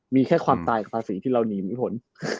มีแค่ความตายกับภาษีที่เราหนีมีผล